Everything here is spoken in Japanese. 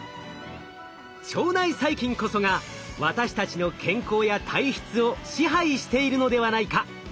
腸内細菌こそが私たちの健康や体質を支配しているのではないか。